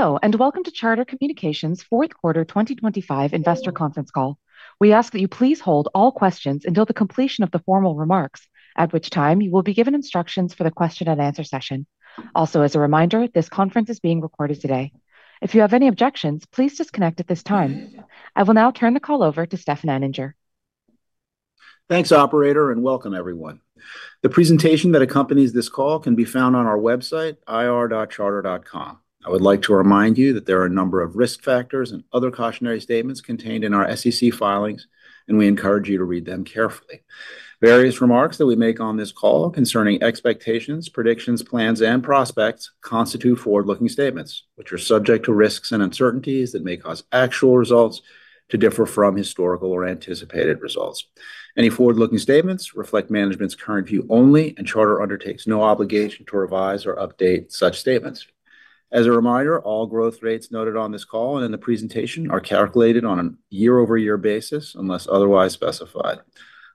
Hello, and welcome to Charter Communications' fourth quarter 2025 investor conference call. We ask that you please hold all questions until the completion of the formal remarks, at which time you will be given instructions for the question-and-answer session. Also, as a reminder, this conference is being recorded today. If you have any objections, please disconnect at this time. I will now turn the call over to Stefan Anninger. Thanks, operator, and welcome everyone. The presentation that accompanies this call can be found on our website, ir.charter.com. I would like to remind you that there are a number of risk factors and other cautionary statements contained in our SEC filings, and we encourage you to read them carefully. Various remarks that we make on this call concerning expectations, predictions, plans, and prospects constitute forward-looking statements, which are subject to risks and uncertainties that may cause actual results to differ from historical or anticipated results. Any forward-looking statements reflect management's current view only, and Charter undertakes no obligation to revise or update such statements. As a reminder, all growth rates noted on this call and in the presentation are calculated on a year-over-year basis, unless otherwise specified.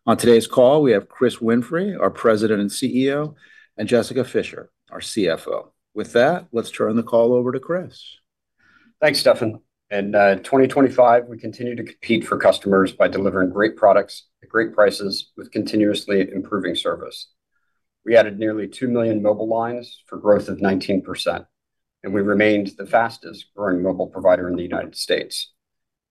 On today's call, we have Chris Winfrey, our President and CEO, and Jessica Fischer, our CFO. With that, let's turn the call over to Chris. Thanks, Stefan. In 2025, we continued to compete for customers by delivering great products at great prices with continuously improving service. We added nearly 2 million mobile lines for growth of 19%, and we remained the fastest growing mobile provider in the United States.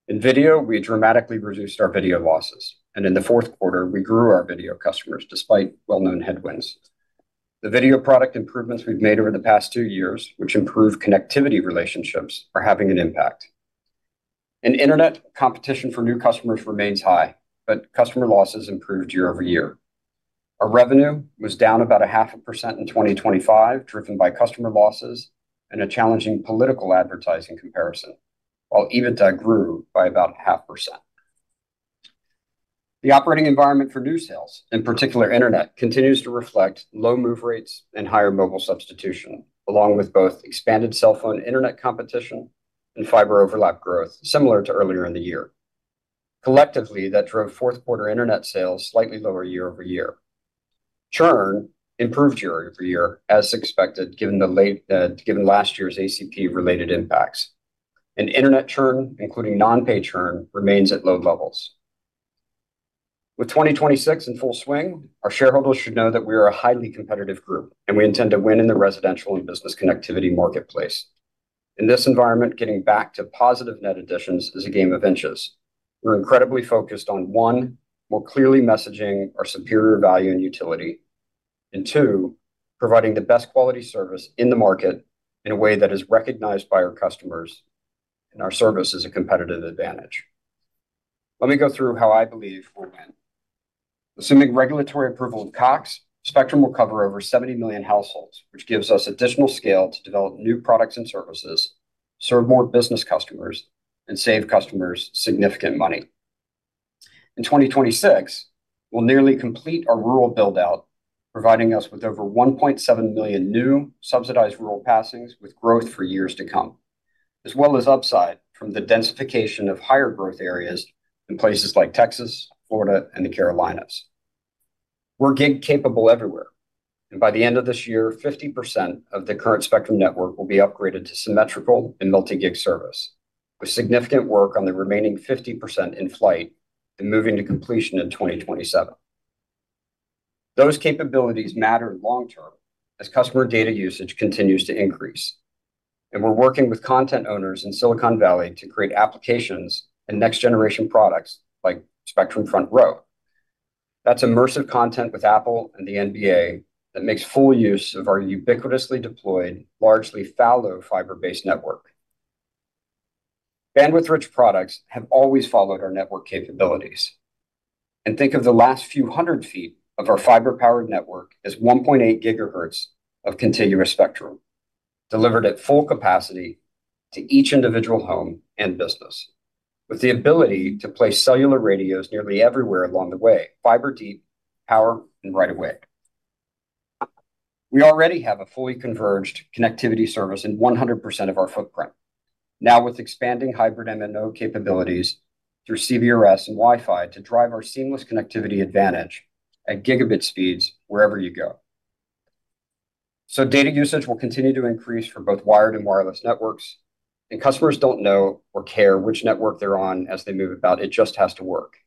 In video, we dramatically reduced our video losses, and in the fourth quarter, we grew our video customers, despite well-known headwinds. The video product improvements we've made over the past two years, which improve connectivity relationships, are having an impact. In internet, competition for new customers remains high, but customer losses improved year-over-year. Our revenue was down about 0.5% in 2025, driven by customer losses and a challenging political advertising comparison, while EBITDA grew by about 0.5%. The operating environment for new sales, in particular internet, continues to reflect low move rates and higher mobile substitution, along with both expanded cell phone internet competition and fiber overlap growth, similar to earlier in the year. Collectively, that drove fourth quarter internet sales slightly lower year-over-year. Churn improved year-over-year, as expected, given last year's ACP-related impacts, and internet churn, including non-pay churn, remains at low levels. With 2026 in full swing, our shareholders should know that we are a highly competitive group, and we intend to win in the residential and business connectivity marketplace. In this environment, getting back to positive net additions is a game of inches. We're incredibly focused on, one, more clearly messaging our superior value and utility, and two, providing the best quality service in the market in a way that is recognized by our customers and our service as a competitive advantage. Let me go through how I believe we'll win. Assuming regulatory approval of Cox, Spectrum will cover over 70 million households, which gives us additional scale to develop new products and services, serve more business customers, and save customers significant money. In 2026, we'll nearly complete our rural build-out, providing us with over 1.7 million new subsidized rural passings with growth for years to come, as well as upside from the densification of higher growth areas in places like Texas, Florida, and the Carolinas. We're Gig capable everywhere, and by the end of this year, 50% of the current Spectrum network will be upgraded to symmetrical and multi-gig service, with significant work on the remaining 50% in flight and moving to completion in 2027. Those capabilities matter long term as customer data usage continues to increase, and we're working with content owners in Silicon Valley to create applications and next generation products like Spectrum Front Row. That's immersive content with Apple and the NBA that makes full use of our ubiquitously deployed, largely fallow fiber-based network. Bandwidth-rich products have always followed our network capabilities, and think of the last few hundred feet of our fiber-powered network as 1.8 GHz of contiguous spectrum, delivered at full capacity to each individual home and business, with the ability to place cellular radios nearly everywhere along the way, fiber deep, power, and right of way. We already have a fully converged connectivity service in 100% of our footprint. Now, with expanding hybrid MNO capabilities through CBRS and Wi-Fi to drive our seamless connectivity advantage at gigabit speeds wherever you go. So data usage will continue to increase for both wired and wireless networks, and customers don't know or care which network they're on as they move about. It just has to work.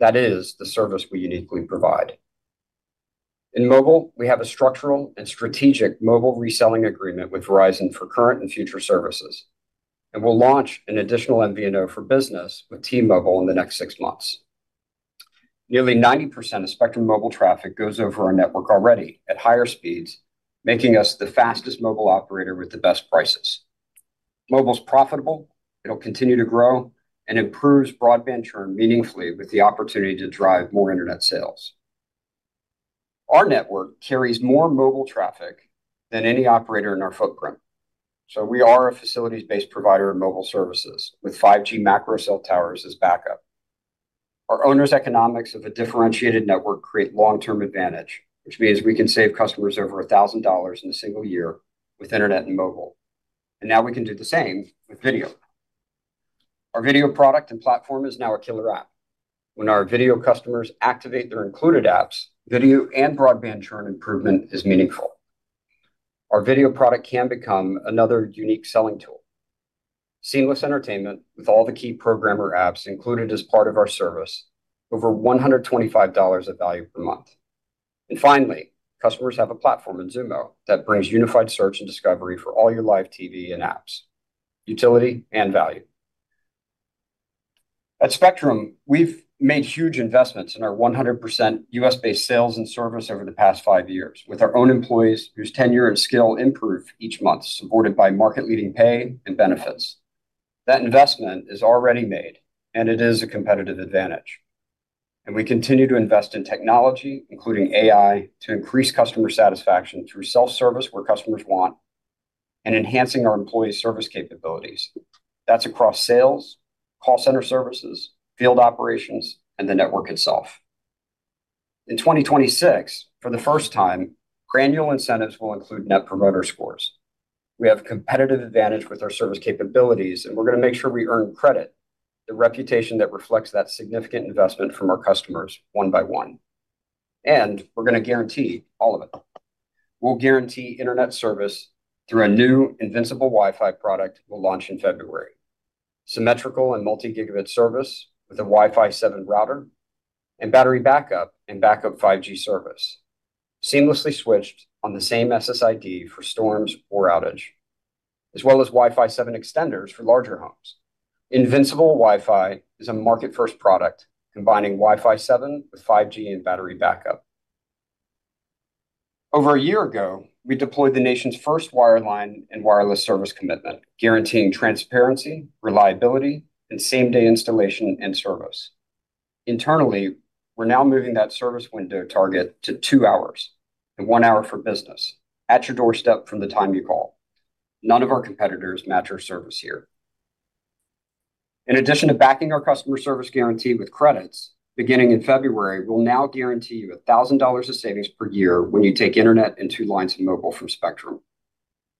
That is the service we uniquely provide. In mobile, we have a structural and strategic mobile reselling agreement with Verizon for current and future services, and we'll launch an additional MVNO for business with T-Mobile in the next six months. Nearly 90% of Spectrum Mobile traffic goes over our network already at higher speeds, making us the fastest mobile operator with the best prices. Mobile's profitable, it'll continue to grow and improves broadband churn meaningfully with the opportunity to drive more internet sales. Our network carries more mobile traffic than any operator in our footprint, so we are a facilities-based provider of mobile services with 5G macro cell towers as backup. Our owners' economics of a differentiated network create long-term advantage, which means we can save customers over $1,000 in a single year with internet and mobile, and now we can do the same with video. Our video product and platform is now a killer app. When our video customers activate their included apps, video and broadband churn improvement is meaningful. Our video product can become another unique selling tool. Seamless entertainment with all the key programmer apps included as part of our service, over $125 of value per month. And finally, customers have a platform in Xumo that brings unified search and discovery for all your live TV and apps, utility, and value. At Spectrum, we've made huge investments in our 100% U.S.-based sales and service over the past 5 years, with our own employees, whose tenure and skill improve each month, supported by market-leading pay and benefits. That investment is already made, and it is a competitive advantage, and we continue to invest in technology, including AI, to increase customer satisfaction through self-service where customers want, and enhancing our employee service capabilities. That's across sales, call center services, field operations, and the network itself. In 2026, for the first time, granular incentives will include Net Promoter Scores. We have competitive advantage with our service capabilities, and we're gonna make sure we earn credit, the reputation that reflects that significant investment from our customers one by one, and we're gonna guarantee all of it. We'll guarantee internet service through a new Invincible Wi-Fi product we'll launch in February. Symmetrical and multi-gigabit service with a Wi-Fi 7 router and battery backup and backup 5G service, seamlessly switched on the same SSID for storms or outage, as well as Wi-Fi 7 extenders for larger homes. Invincible Wi-Fi is a market-first product, combining Wi-Fi 7 with 5G and battery backup. Over a year ago, we deployed the nation's first wireline and wireless service commitment, guaranteeing transparency, reliability, and same-day installation and service. Internally, we're now moving that service window target to two hours and one hour for business at your doorstep from the time you call. None of our competitors match our service here. In addition to backing our customer service guarantee with credits, beginning in February, we'll now guarantee you $1,000 of savings per year when you take internet and two lines of mobile from Spectrum.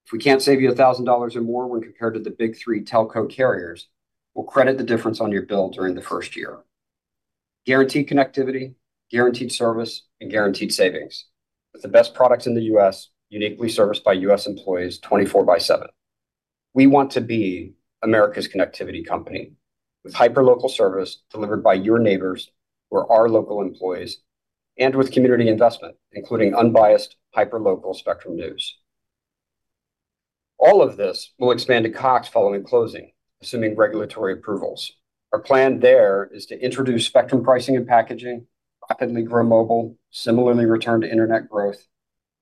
If we can't save you $1,000 or more when compared to the big three telco carriers, we'll credit the difference on your bill during the first year. Guaranteed connectivity, guaranteed service, and guaranteed savings with the best products in the U.S., uniquely serviced by U.S. employees, 24/7. We want to be America's connectivity company, with hyperlocal service delivered by your neighbors or our local employees, and with community investment, including unbiased, hyperlocal Spectrum News. All of this will expand to Cox following closing, assuming regulatory approvals. Our plan there is to introduce Spectrum pricing and packaging, rapidly grow mobile, similarly return to internet growth.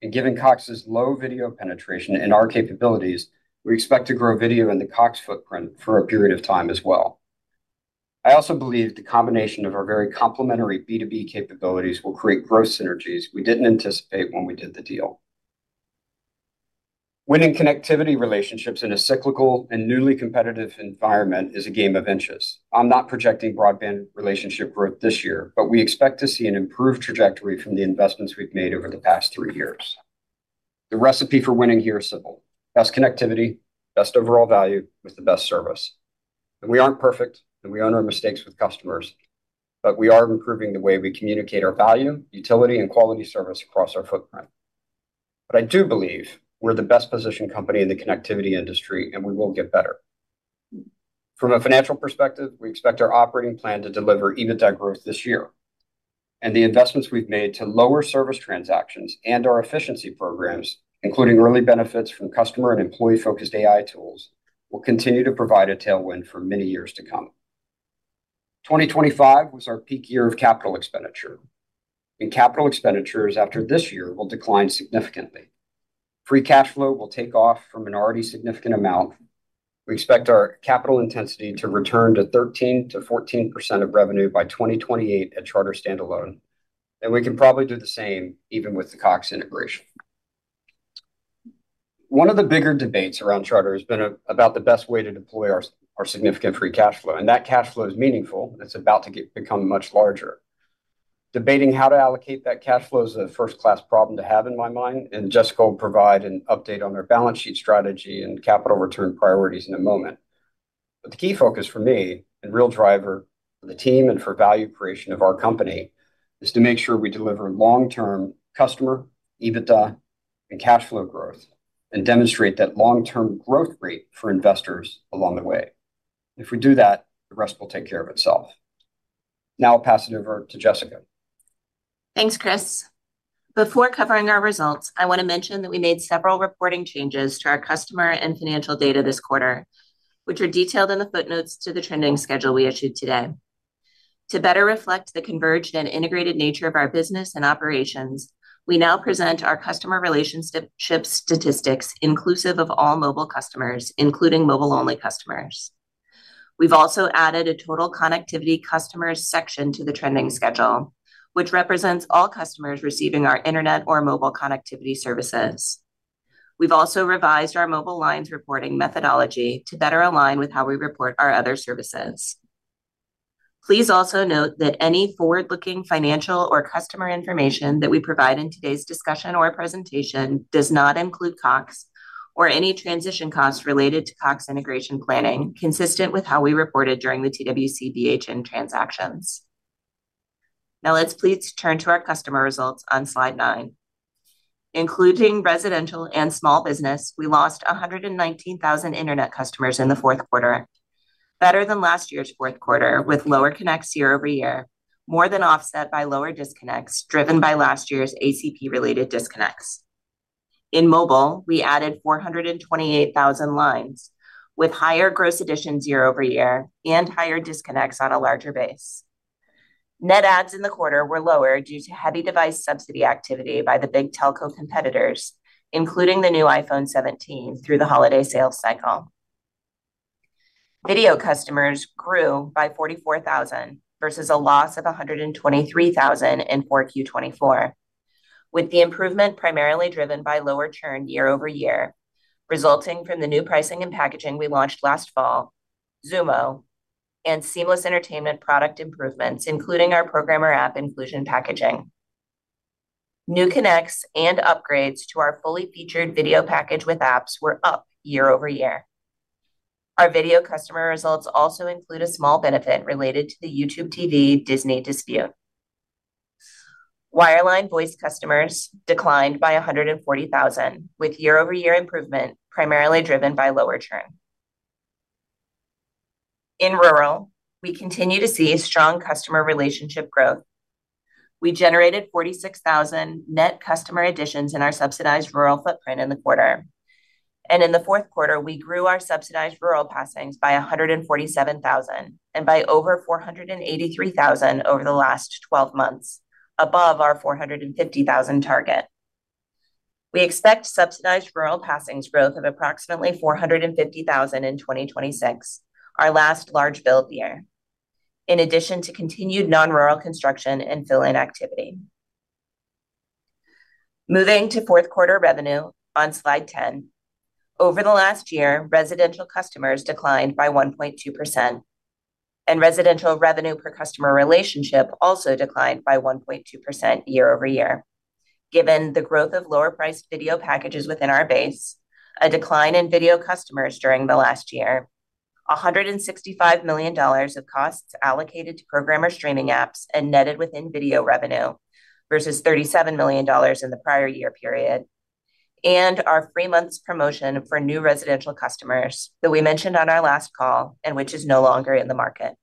And given Cox's low video penetration and our capabilities, we expect to grow video in the Cox footprint for a period of time as well. I also believe the combination of our very complementary B2B capabilities will create growth synergies we didn't anticipate when we did the deal. Winning connectivity relationships in a cyclical and newly competitive environment is a game of inches. I'm not projecting broadband relationship growth this year, but we expect to see an improved trajectory from the investments we've made over the past three years. The recipe for winning here is simple: best connectivity, best overall value, with the best service. And we aren't perfect, and we own our mistakes with customers, but we are improving the way we communicate our value, utility, and quality service across our footprint. But I do believe we're the best-positioned company in the connectivity industry, and we will get better. From a financial perspective, we expect our operating plan to deliver EBITDA growth this year, and the investments we've made to lower service transactions and our efficiency programs, including early benefits from customer and employee-focused AI tools, will continue to provide a tailwind for many years to come. 2025 was our peak year of capital expenditure, and capital expenditures after this year will decline significantly. Free cash flow will take off from an already significant amount. We expect our capital intensity to return to 13%-14% of revenue by 2028 at Charter standalone, and we can probably do the same even with the Cox integration. One of the bigger debates around Charter has been about the best way to deploy our significant free cash flow, and that cash flow is meaningful, and it's about to become much larger. Debating how to allocate that cash flow is a first-class problem to have in my mind, and Jessica will provide an update on our balance sheet strategy and capital return priorities in a moment. But the key focus for me and real driver for the team and for value creation of our company, is to make sure we deliver long-term customer, EBITDA, and cash flow growth, and demonstrate that long-term growth rate for investors along the way. If we do that, the rest will take care of itself. Now I'll pass it over to Jessica. Thanks, Chris. Before covering our results, I want to mention that we made several reporting changes to our customer and financial data this quarter, which are detailed in the footnotes to the trending schedule we issued today. To better reflect the converged and integrated nature of our business and operations, we now present our customer relationship statistics, inclusive of all mobile customers, including mobile-only customers. We've also added a total connectivity customers section to the trending schedule, which represents all customers receiving our internet or mobile connectivity services. We've also revised our mobile lines reporting methodology to better align with how we report our other services.... Please also note that any forward-looking financial or customer information that we provide in today's discussion or presentation does not include Cox or any transition costs related to Cox integration planning, consistent with how we reported during the TWC, BHN transactions. Now, let's please turn to our customer results on slide nine. Including residential and small business, we lost 119,000 internet customers in the fourth quarter. Better than last year's fourth quarter, with lower connects year-over-year, more than offset by lower disconnects, driven by last year's ACP-related disconnects. In mobile, we added 428,000 lines, with higher gross additions year-over-year and higher disconnects on a larger base. Net adds in the quarter were lower due to heavy device subsidy activity by the big telco competitors, including the new iPhone 17, through the holiday sales cycle. Video customers grew by 44,000, versus a loss of 123,000 in Q4 2024, with the improvement primarily driven by lower churn year-over-year, resulting from the new pricing and packaging we launched last fall, Xumo, and seamless entertainment product improvements, including our programmer app inclusion packaging. New connects and upgrades to our fully featured video package with apps were up year-over-year. Our video customer results also include a small benefit related to the YouTube TV-Disney dispute. Wireline voice customers declined by 140,000, with year-over-year improvement primarily driven by lower churn. In rural, we continue to see a strong customer relationship growth. We generated 46,000 net customer additions in our subsidized rural footprint in the quarter. In the fourth quarter, we grew our subsidized rural passings by 147,000, and by over 483,000 over the last 12 months, above our 450,000 target. We expect subsidized rural passings growth of approximately 450,000 in 2026, our last large build year, in addition to continued non-rural construction and fill-in activity. Moving to fourth quarter revenue on slide 10. Over the last year, residential customers declined by 1.2%, and residential revenue per customer relationship also declined by 1.2% year-over-year. Given the growth of lower-priced video packages within our base, a decline in video customers during the last year, $165 million of costs allocated to programmer streaming apps and netted within video revenue, versus $37 million in the prior year period, and our free months promotion for new residential customers that we mentioned on our last call, and which is no longer in the market.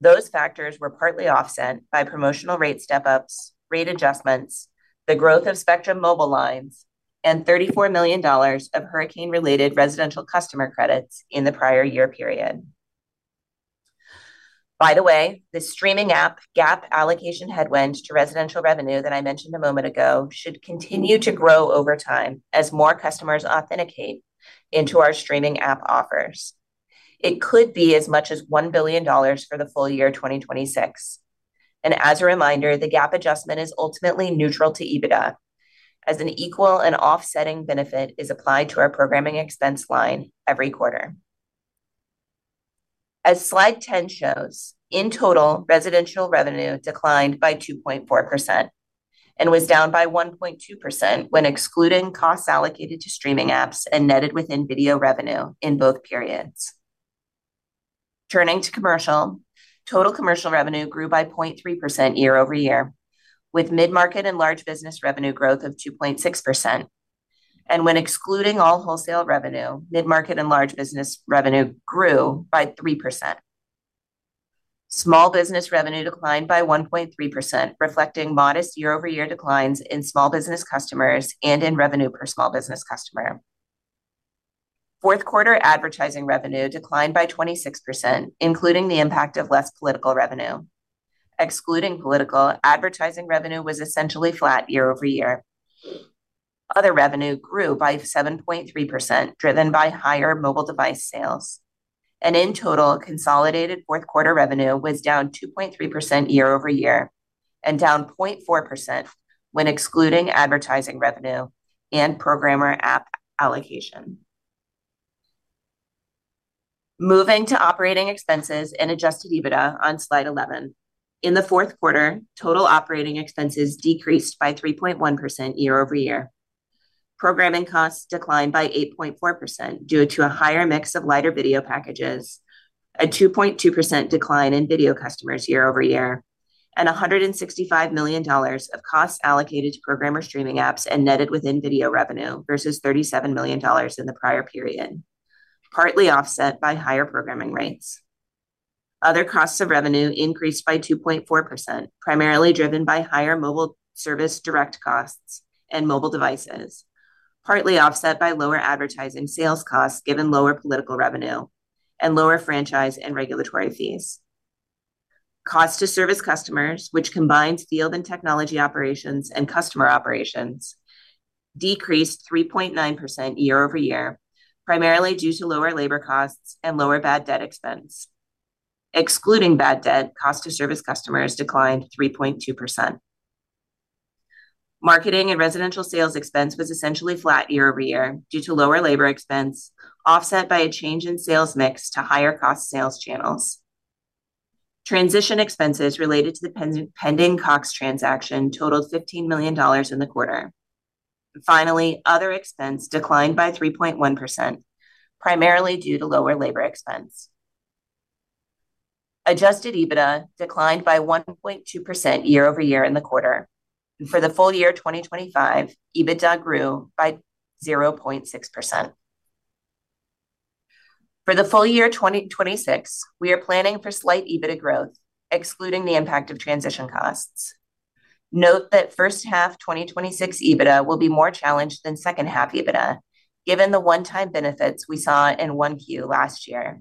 Those factors were partly offset by promotional rate step-ups, rate adjustments, the growth of Spectrum Mobile lines, and $34 million of hurricane-related residential customer credits in the prior year period. By the way, the streaming app GAAP allocation headwind to residential revenue that I mentioned a moment ago, should continue to grow over time as more customers authenticate into our streaming app offers. It could be as much as $1 billion for the full year 2026. As a reminder, the GAAP adjustment is ultimately neutral to EBITDA, as an equal and offsetting benefit is applied to our programming expense line every quarter. As slide 10 shows, in total, residential revenue declined by 2.4% and was down by 1.2% when excluding costs allocated to streaming apps and netted within video revenue in both periods. Turning to commercial, total commercial revenue grew by 0.3% year-over-year, with mid-market and large business revenue growth of 2.6%. And when excluding all wholesale revenue, mid-market and large business revenue grew by 3%. Small business revenue declined by 1.3%, reflecting modest year-over-year declines in small business customers and in revenue per small business customer. Fourth quarter advertising revenue declined by 26%, including the impact of less political revenue. Excluding political, advertising revenue was essentially flat year over year. Other revenue grew by 7.3%, driven by higher mobile device sales. In total, consolidated fourth quarter revenue was down 2.3% year-over-year and down 0.4% when excluding advertising revenue and programmer app allocation. Moving to operating expenses and Adjusted EBITDA on slide 11. In the fourth quarter, total operating expenses decreased by 3.1% year-over-year. Programming costs declined by 8.4% due to a higher mix of lighter video packages, a 2.2% decline in video customers year over year, and $165 million of costs allocated to programmer streaming apps and netted within video revenue, versus $37 million in the prior period, partly offset by higher programming rates. Other costs of revenue increased by 2.4%, primarily driven by higher mobile service direct costs and mobile devices, partly offset by lower advertising sales costs, given lower political revenue and lower franchise and regulatory fees. Cost to service customers, which combines field and technology operations and customer operations, decreased 3.9% year-over-year, primarily due to lower labor costs and lower bad debt expense. Excluding bad debt, cost to service customers declined 3.2%.. Marketing and residential sales expense was essentially flat year-over-year due to lower labor expense, offset by a change in sales mix to higher cost sales channels. Transition expenses related to the pending Cox transaction totaled $15 million in the quarter. Finally, other expense declined by 3.1%, primarily due to lower labor expense. Adjusted EBITDA declined by 1.2% year-over-year in the quarter, and for the full year 2025, EBITDA grew by 0.6%. For the full year 2026, we are planning for slight EBITDA growth, excluding the impact of transition costs. Note that first half 2026 EBITDA will be more challenged than second half EBITDA, given the one-time benefits we saw in 1Q last year,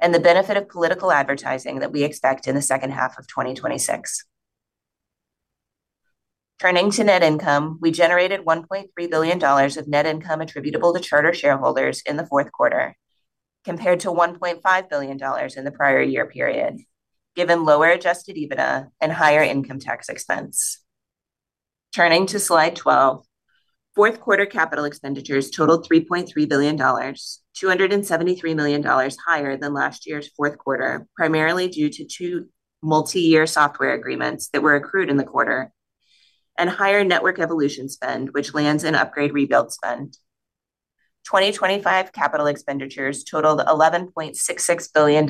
and the benefit of political advertising that we expect in the second half of 2026. Turning to net income, we generated $1.3 billion of net income attributable to Charter shareholders in the fourth quarter, compared to $1.5 billion in the prior year period, given lower Adjusted EBITDA and higher income tax expense. Turning to Slide 12. Fourth quarter capital expenditures totaled $3.3 billion, $273 million higher than last year's fourth quarter, primarily due to 2 multi-year software agreements that were accrued in the quarter, and higher network evolution spend, which lands in upgrade rebuild spend. 2025 capital expenditures totaled 11.66 billion,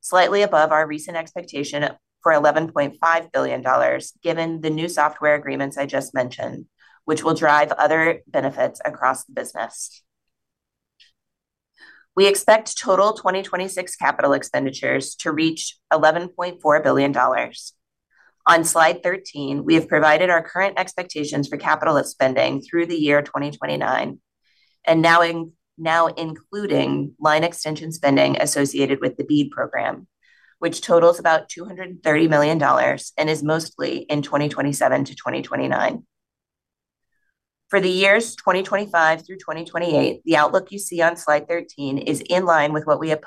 slightly above our recent expectation for 11.5 billion, given the new software agreements I just mentioned, which will drive other benefits across the business. We expect total 2026 capital expenditures to reach $11.4 billion. On Slide 13, we have provided our current expectations for capital spending through the year 2029, and now including line extension spending associated with the BEAD program, which totals about $230 million and is mostly in 2027 to 2029. For the years 2025 through 2028, the outlook you see on Slide 13 is in line with what we have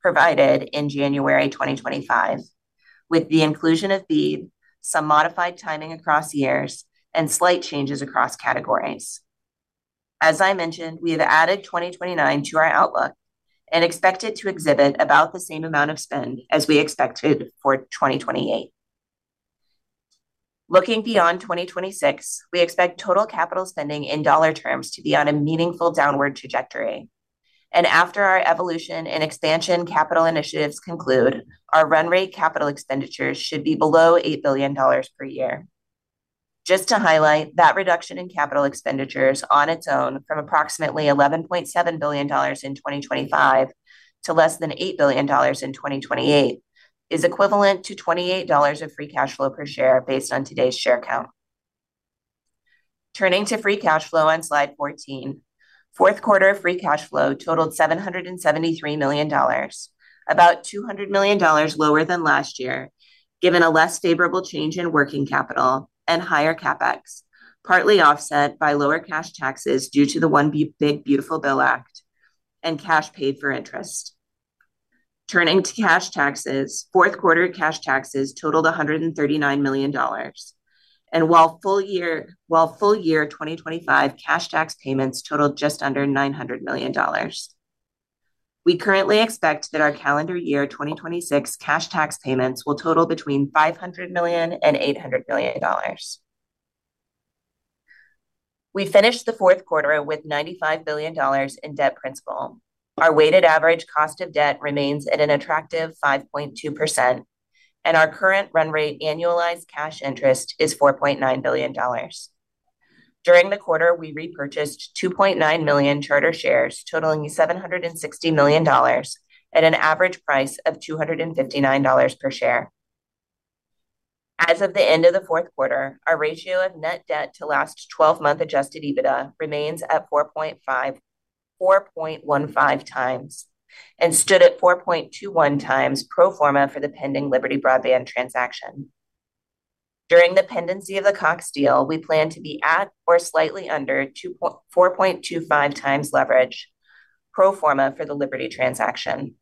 provided in January 2025, with the inclusion of BEAD, some modified timing across years, and slight changes across categories. As I mentioned, we have added 2029 to our outlook and expect it to exhibit about the same amount of spend as we expected for 2028. Looking beyond 2026, we expect total capital spending in dollar terms to be on a meaningful downward trajectory. After our evolution and expansion capital initiatives conclude, our run rate capital expenditures should be below $8 billion per year. Just to highlight, that reduction in capital expenditures on its own, from approximately $11.7 billion in 2025 to less than $8 billion in 2028, is equivalent to $28 of free cash flow per share based on today's share count. Turning to free cash flow on Slide 14. Fourth quarter free cash flow totaled $773 million, about $200 million lower than last year, given a less favorable change in working capital and higher CapEx, partly offset by lower cash taxes due to the One Big Beautiful Bill Act and cash paid for interest. Turning to cash taxes, fourth quarter cash taxes totaled $139 million. While full year 2025 cash tax payments totaled just under $900 million. We currently expect that our calendar year 2026 cash tax payments will total between $500 million and $800 million. We finished the fourth quarter with $95 billion in debt principal. Our weighted average cost of debt remains at an attractive 5.2%, and our current run rate annualized cash interest is $4.9 billion. During the quarter, we repurchased 2.9 million Charter shares, totaling $760 million at an average price of $259 per share. As of the end of the fourth quarter, our ratio of net debt to last twelve-month Adjusted EBITDA remains at 4.15x, and stood at 4.21x pro forma for the pending Liberty Broadband transaction. During the pendency of the Cox deal, we plan to be at or slightly under 4.25x leverage, pro forma for the Liberty transaction.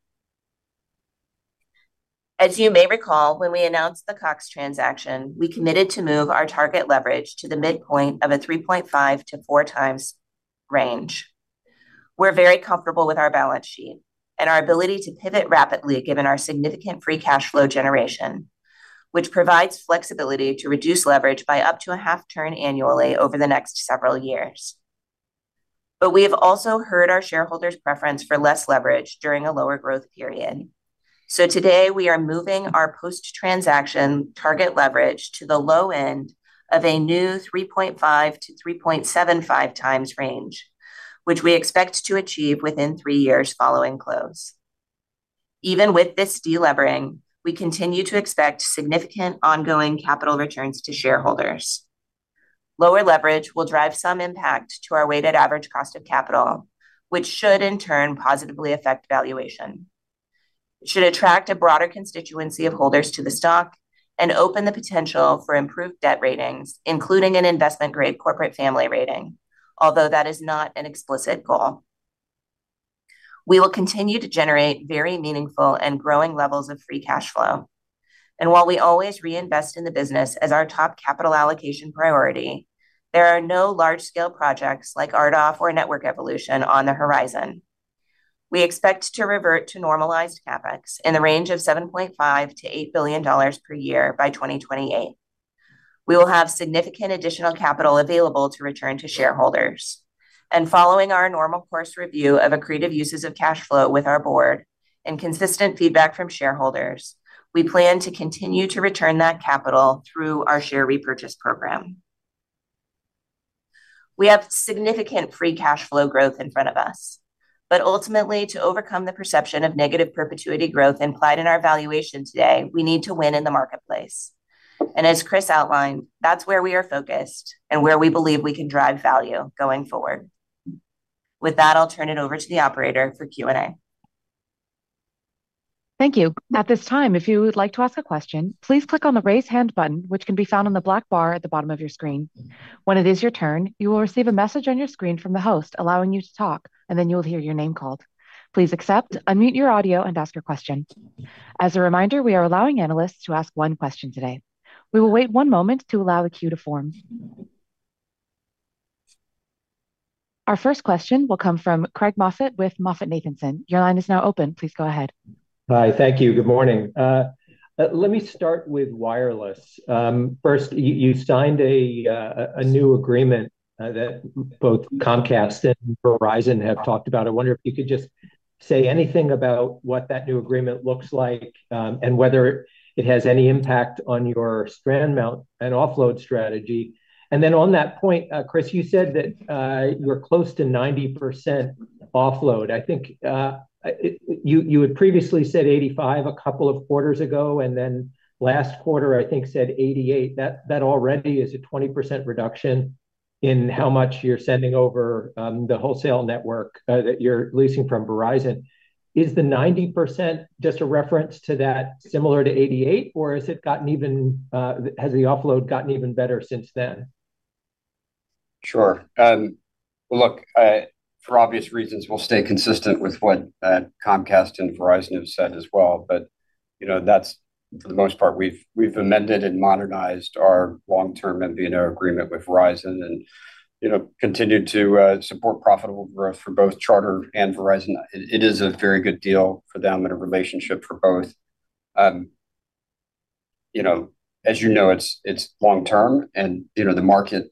As you may recall, when we announced the Cox transaction, we committed to move our target leverage to the midpoint of a 3.5x-4x range. We're very comfortable with our balance sheet and our ability to pivot rapidly, given our significant free cash flow generation, which provides flexibility to reduce leverage by up to a 0.5 turn annually over the next several years. But we have also heard our shareholders' preference for less leverage during a lower growth period. So today, we are moving our post-transaction target leverage to the low end of a new 3.5x-3.75x range, which we expect to achieve within three years following close. Even with this delivering, we continue to expect significant ongoing capital returns to shareholders. Lower leverage will drive some impact to our weighted average cost of capital, which should in turn positively affect valuation. It should attract a broader constituency of holders to the stock and open the potential for improved debt ratings, including an investment-grade corporate family rating, although that is not an explicit goal. .We will continue to generate very meaningful and growing levels of free cash flow. While we always reinvest in the business as our top capital allocation priority, there are no large-scale projects like RDOF or Network Evolution on the horizon. We expect to revert to normalized CapEx in the range of $7.5 billion-$8 billion per year by 2028. We will have significant additional capital available to return to shareholders, and following our normal course review of accretive uses of cash flow with our board and consistent feedback from shareholders, we plan to continue to return that capital through our share repurchase program. We have significant free cash flow growth in front of us. Ultimately, to overcome the perception of negative perpetuity growth implied in our valuation today, we need to win in the marketplace. As Chris outlined, that's where we are focused and where we believe we can drive value going forward. With that, I'll turn it over to the operator for Q&A. Thank you. At this time, if you would like to ask a question, please click on the Raise Hand button, which can be found on the black bar at the bottom of your screen. When it is your turn, you will receive a message on your screen from the host, allowing you to talk, and then you will hear your name called. Please accept, unmute your audio, and ask your question. As a reminder, we are allowing analysts to ask one question today. We will wait one moment to allow the queue to form. Our first question will come from Craig Moffett with MoffettNathanson. Your line is now open. Please go ahead. Hi. Thank you. Good morning. Let me start with wireless. First, you signed a new agreement that both Comcast and Verizon have talked about. I wonder if you could just say anything about what that new agreement looks like, and whether it has any impact on your strand mount and offload strategy. And then on that point, Chris, you said that you're close to 90% offload. I think you had previously said 85 a couple of quarters ago, and then last quarter, I think, said 88. That already is a 20% reduction in how much you're sending over the wholesale network that you're leasing from Verizon. Is the 90% just a reference to that, similar to 88, or has it gotten even, has the offload gotten even better since then? Sure. Look, I, for obvious reasons, will stay consistent with what Comcast and Verizon have said as well, but, you know, that's for the most part, we've amended and modernized our long-term MVNO agreement with Verizon and, you know, continued to support profitable growth for both Charter and Verizon. It is a very good deal for them and a relationship for both. You know, as you know, it's long term, and, you know, the market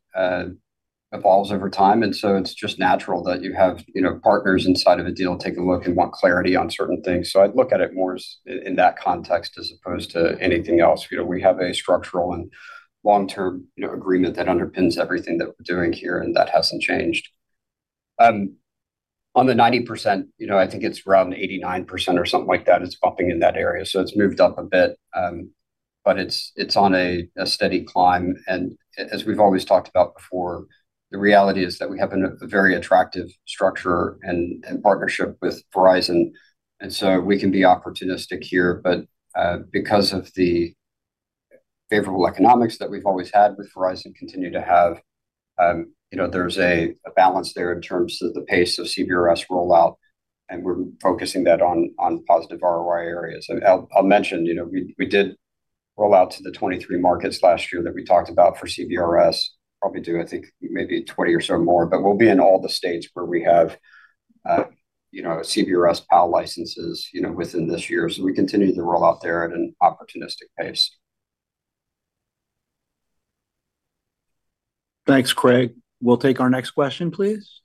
evolves over time, and so it's just natural that you have, you know, partners inside of a deal take a look and want clarity on certain things. So I'd look at it more as in that context, as opposed to anything else. You know, we have a structural and long-term, you know, agreement that underpins everything that we're doing here, and that hasn't changed. On the 90%, you know, I think it's around 89% or something like that. It's bumping in that area, so it's moved up a bit, but it's on a steady climb. And as we've always talked about before, the reality is that we have a very attractive structure and partnership with Verizon, and so we can be opportunistic here. But because of the favorable economics that we've always had with Verizon, continue to have, you know, there's a balance there in terms of the pace of CBRS rollout, and we're focusing that on positive ROI areas. I'll mention, you know, we did roll out to the 23 markets last year that we talked about for CBRS. Probably do, I think, maybe 20 or so more, but we'll be in all the states where we have, you know, CBRS PAL licenses, you know, within this year. So we continue to roll out there at an opportunistic pace. Thanks, Craig. We'll take our next question, please.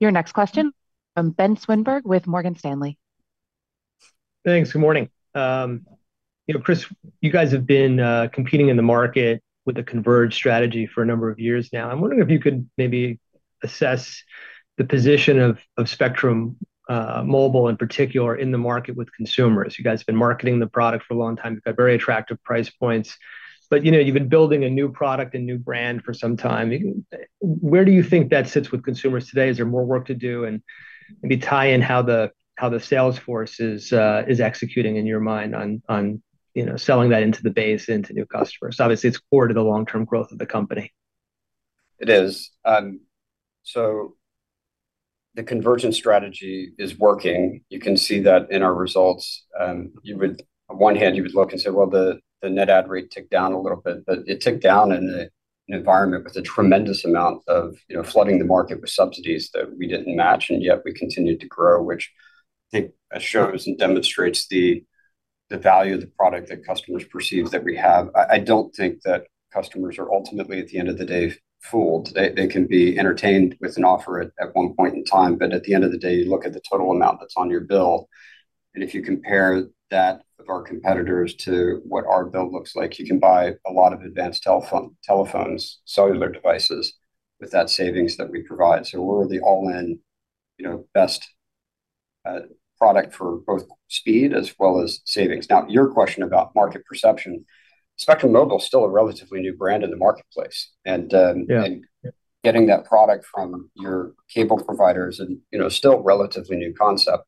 Your next question from Ben Swinburne with Morgan Stanley. Thanks. Good morning. You know, Chris, you guys have been competing in the market with a converged strategy for a number of years now. I'm wondering if you could maybe assess the position of, of Spectrum Mobile, in particular, in the market with consumers. You guys have been marketing the product for a long time. You've got very attractive price points, but, you know, you've been building a new product and new brand for some time. Where do you think that sits with consumers today? Is there more work to do? And maybe tie in how the, how the sales force is executing, in your mind, on, you know, selling that into the base, into new customers. Obviously, it's core to the long-term growth of the company. It is. So the convergent strategy is working. You can see that in our results. You would, on one hand, you would look and say, well, the net add rate ticked down a little bit, but it ticked down in an environment with a tremendous amount of, you know, flooding the market with subsidies that we didn't match, and yet we continued to grow, which I think shows and demonstrates the value of the product that customers perceive that we have. I don't think that customers are ultimately, at the end of the day, fooled. They can be entertained with an offer at one point in time, but at the end of the day, you look at the total amount that's on your bill, and if you compare that with our competitors to what our bill looks like, you can buy a lot of advanced telephones, cellular devices, with that savings that we provide. So we're the all-in, you know, best product for both speed as well as savings. Now, your question about market perception, Spectrum Mobile is still a relatively new brand in the marketplace, and Getting that product from your cable providers and, you know, still a relatively new concept.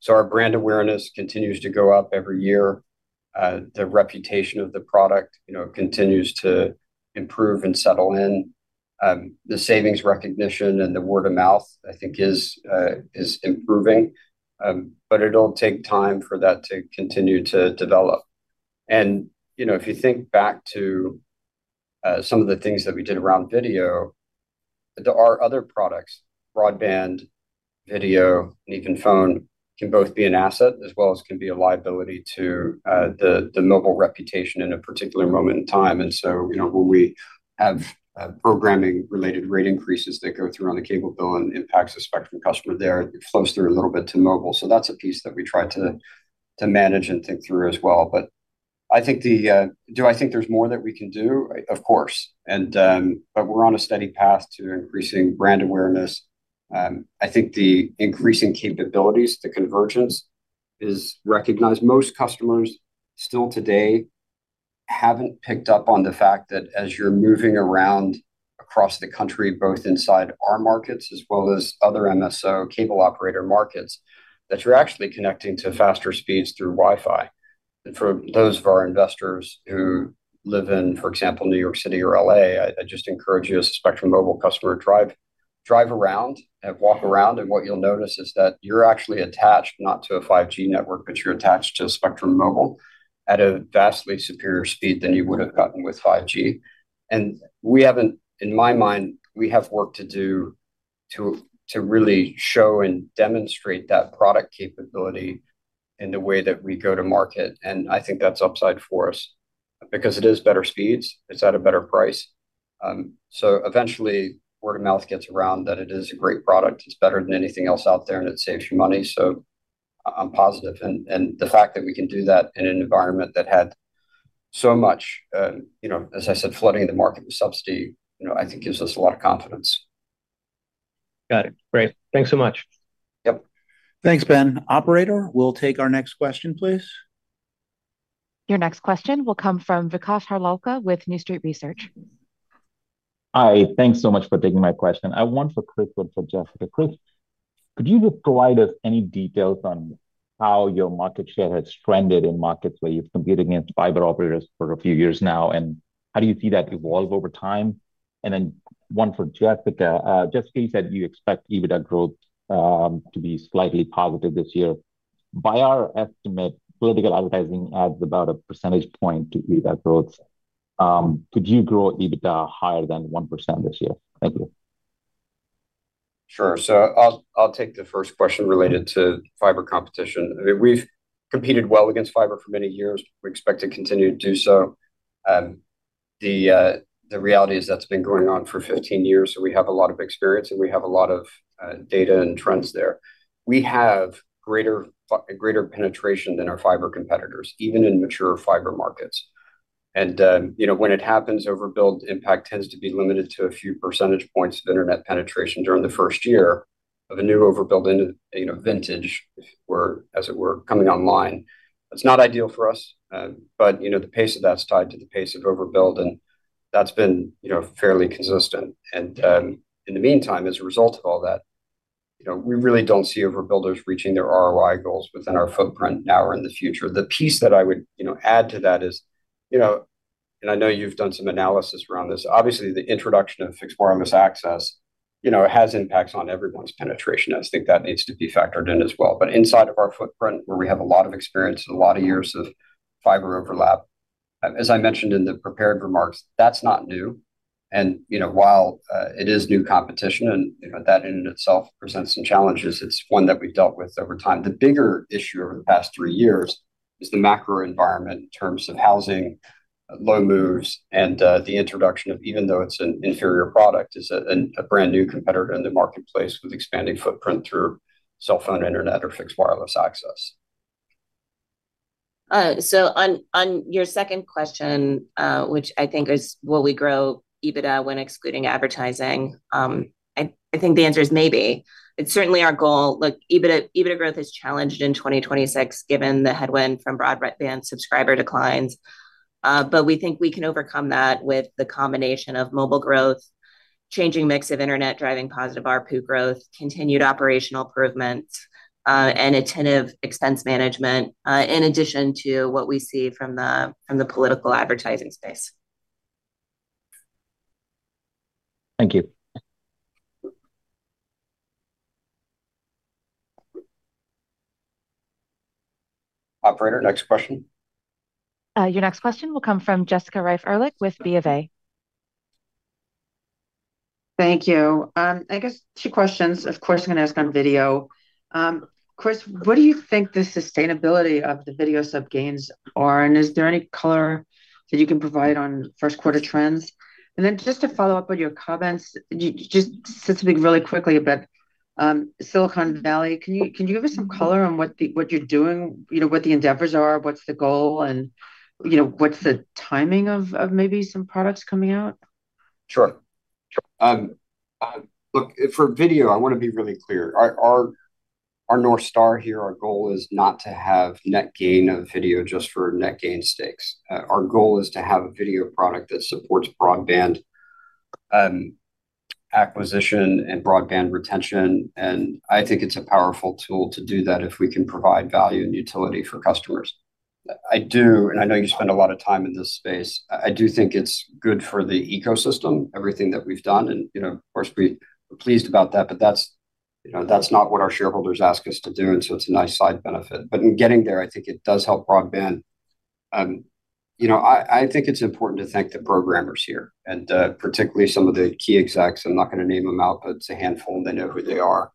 So our brand awareness continues to go up every year. The reputation of the product, you know, continues to improve and settle in. The savings recognition and the word of mouth, I think is improving. But it'll take time for that to continue to develop. And, you know, if you think back to some of the things that we did around video, there are other products, broadband, video, and even phone, can both be an asset as well as can be a liability to the mobile reputation in a particular moment in time. You know, when we have programming related rate increases that go through on the cable bill and impacts the Spectrum customer there, it flows through a little bit to mobile. So that's a piece that we try to manage and think through as well. But I think... Do I think there's more that we can do? Of course, and but we're on a steady path to increasing brand awareness. I think the increasing capabilities, the convergence, is recognized. Most customers still today haven't picked up on the fact that as you're moving around across the country, both inside our markets as well as other MSO cable operator markets, that you're actually connecting to faster speeds through Wi-Fi. For those of our investors who live in, for example, New York City or L.A., I just encourage you, as a Spectrum Mobile customer, to drive around and walk around, and what you'll notice is that you're actually attached not to a 5G network, but you're attached to a Spectrum Mobile at a vastly superior speed than you would have gotten with 5G. We haven't, in my mind, we have work to do to really show and demonstrate that product capability in the way that we go to market, and I think that's upside for us. Because it is better speeds, it's at a better price. So eventually, word of mouth gets around that it is a great product, it's better than anything else out there, and it saves you money, so I'm positive. And the fact that we can do that in an environment that had so much, you know, as I said, flooding the market with subsidy, you know, I think gives us a lot of confidence. Got it. Great. Thanks so much. Yep. Thanks, Ben. Operator, we'll take our next question, please. Your next question will come from Vikash Harlalka, with New Street Research. Hi, thanks so much for taking my question. I have one for Chris and one for Jessica. Chris, could you just provide us any details on how your market share has trended in markets where you've competed against fiber operators for a few years now, and how do you see that evolve over time? And then one for Jessica. Jessica, you said you expect EBITDA growth to be slightly positive this year. By our estimate, political advertising adds about a percentage point to EBITDA growth. Could you grow EBITDA higher than 1% this year? Thank you. Sure. So I'll take the first question related to fiber competition. I mean, we've competed well against fiber for many years. We expect to continue to do so. The reality is, that's been going on for 15 years, so we have a lot of experience, and we have a lot of data and trends there. We have greater penetration than our fiber competitors, even in mature fiber markets. And, you know, when it happens, overbuild impact tends to be limited to a few percentage points of internet penetration during the first year of a new overbuild in, you know, vintage, where, as it were, coming online. It's not ideal for us, but, you know, the pace of that's tied to the pace of overbuild, and that's been, you know, fairly consistent. In the meantime, as a result of all that, you know, we really don't see overbuilders reaching their ROI goals within our footprint, now or in the future. The piece that I would, you know, add to that is, you know, and I know you've done some analysis around this. Obviously, the introduction of fixed wireless access, you know, has impacts on everyone's penetration. I think that needs to be factored in as well. But inside of our footprint, where we have a lot of experience and a lot of years of fiber overlap, as I mentioned in the prepared remarks, that's not new. And, you know, while, it is new competition, and, you know, that in itself presents some challenges, it's one that we've dealt with over time. The bigger issue over the past three years is the macro environment in terms of housing, low moves, and the introduction of, even though it's an inferior product, a brand-new competitor in the marketplace with expanding footprint through cell phone, internet, or fixed wireless access. So on your second question, which I think is, will we grow EBITDA when excluding advertising? I think the answer is maybe. It's certainly our goal. Look, EBITDA growth is challenged in 2026, given the headwind from broadband subscriber declines. But we think we can overcome that with the combination of mobile growth, changing mix of internet, driving positive ARPU growth, continued operational improvements, and attentive expense management, in addition to what we see from the political advertising space. Thank you. Operator, next question. Your next question will come from Jessica Reif Ehrlich, with BofA. Thank you. I guess two questions, of course, I'm gonna ask on video. Chris, what do you think the sustainability of the video sub gains are, and is there any color that you can provide on first quarter trends? And then just to follow up on your comments, you just speaking really quickly about Silicon Valley. Can you, can you give us some color on what you're doing, you know, what the endeavors are, what's the goal, and, you know, what's the timing of, of maybe some products coming out? Sure. Sure. Look, for video, I want to be really clear. Our North Star here, our goal is not to have net gain of video just for net gain's sake. Our goal is to have a video product that supports broadband acquisition and broadband retention, and I think it's a powerful tool to do that if we can provide value and utility for customers. I do, and I know you spend a lot of time in this space, I do think it's good for the ecosystem, everything that we've done, and, you know, of course, we're pleased about that, but that's, you know, that's not what our shareholders ask us to do, and so it's a nice side benefit. But in getting there, I think it does help broadband. You know, I think it's important to thank the programmers here, and particularly some of the key execs. I'm not gonna name them out, but it's a handful, and they know who they are.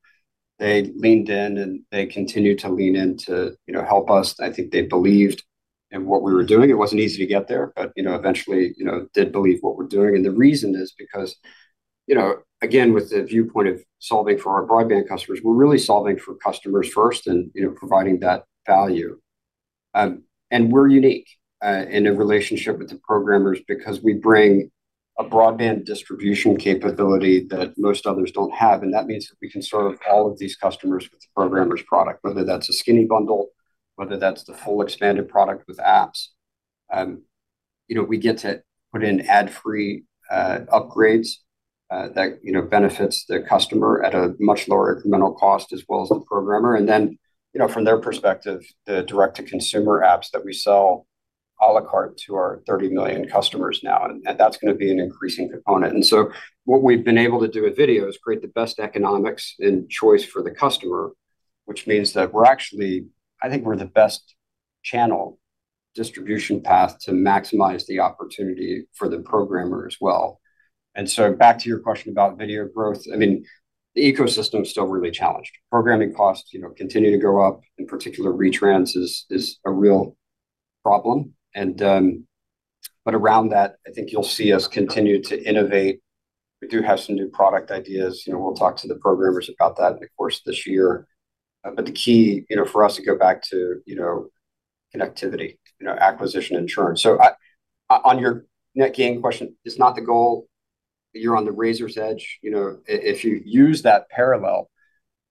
They leaned in, and they continued to lean in to, you know, help us. I think they believed in what we were doing. It wasn't easy to get there, but, you know, eventually, you know, did believe what we're doing. And the reason is because, you know, again, with the viewpoint of solving for our broadband customers, we're really solving for customers first and, you know, providing that value. And we're unique in a relationship with the programmers because we bring a broadband distribution capability that most others don't have, and that means that we can serve all of these customers with the programmers product, whether that's a skinny bundle, whether that's the full expanded product with apps. You know, we get to put in ad-free upgrades that you know, benefits the customer at a much lower incremental cost as well as the programmer. And then, you know, from their perspective, the direct-to-consumer apps that we sell à la carte to our 30 million customers now, and that's gonna be an increasing component. And so what we've been able to do with video is create the best economics and choice for the customer, which means that we're actually. I think we're the best channel distribution path to maximize the opportunity for the programmer as well. And so back to your question about video growth, I mean, the ecosystem is still really challenged. Programming costs, you know, continue to go up. In particular, retrans is a real problem, but around that, I think you'll see us continue to innovate. We do have some new product ideas. You know, we'll talk to the programmers about that in the course of this year. But the key, you know, for us to go back to, you know, connectivity, you know, acquisition and churn. So I, on your net gain question, it's not the goal. You're on the razor's edge. You know, if you use that parallel,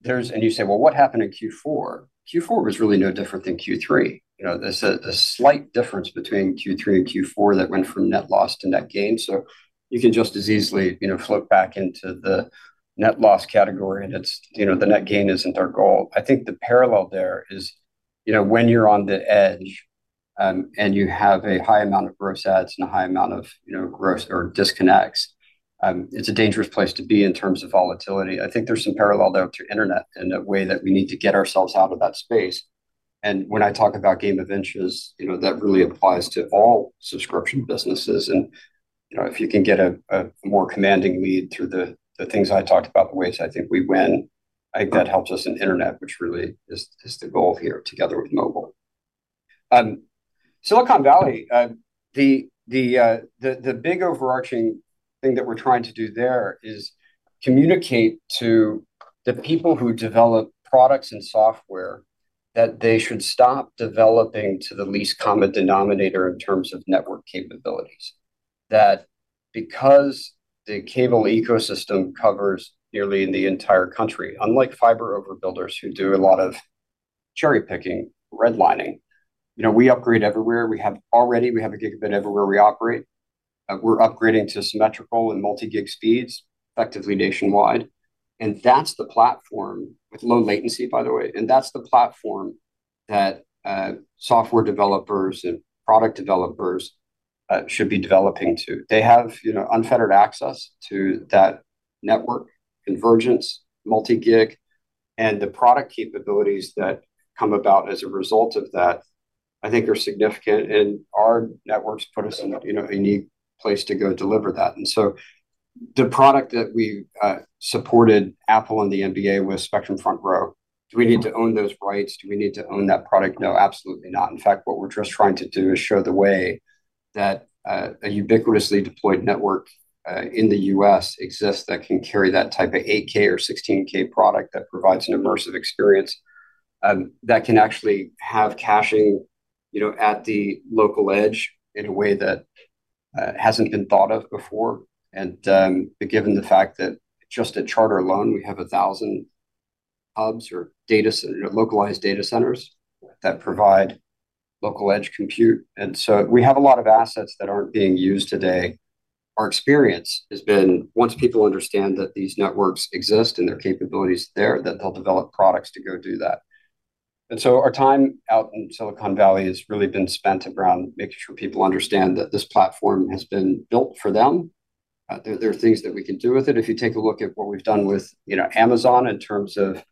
there's... And you say, "Well, what happened in Q4?" Q4 was really no different than Q3. You know, there's a slight difference between Q3 and Q4 that went from net loss to net gain, so you can just as easily, you know, float back into the net loss category, and it's, you know, the net gain isn't our goal. I think the parallel there is, you know, when you're on the edge, and you have a high amount of gross adds and a high amount of, you know, gross or disconnects, it's a dangerous place to be in terms of volatility. I think there's some parallel there to internet in a way that we need to get ourselves out of that space. And when I talk about game of inches, you know, that really applies to all subscription businesses. You know, if you can get a more commanding lead through the things I talked about, the ways I think we win, I think that helps us in internet, which really is the goal here, together with mobile. Silicon Valley, the big overarching thing that we're trying to do there is communicate to the people who develop products and software, that they should stop developing to the least common denominator in terms of network capabilities. That because the cable ecosystem covers nearly the entire country, unlike fiber overbuilders who do a lot of cherry-picking, redlining, you know, we upgrade everywhere. We have a gigabit everywhere we operate. We're upgrading to symmetrical and multi-gig speeds, effectively nationwide. And that's the platform with low latency, by the way, and that's the platform that, software developers and product developers, should be developing to. They have, you know, unfettered access to that network, convergence, multi-gig, and the product capabilities that come about as a result of that, I think are significant, and our networks put us in a, you know, a unique place to go deliver that. And so the product that we, supported, Apple and the NBA, with Spectrum Front Row, do we need to own those rights? Do we need to own that product? No, absolutely not. In fact, what we're just trying to do is show the way that a ubiquitously deployed network in the U.S. exists that can carry that type of 8,000 or 16,000 product that provides an immersive experience that can actually have caching, you know, at the local edge in a way that hasn't been thought of before. Given the fact that just at Charter alone, we have 1,000 hubs or data center, localized data centers that provide local edge compute, and so we have a lot of assets that aren't being used today. Our experience has been, once people understand that these networks exist and their capabilities there, that they'll develop products to go do that. And so our time out in Silicon Valley has really been spent around making sure people understand that this platform has been built for them. There are things that we can do with it. If you take a look at what we've done with, you know, Amazon in terms of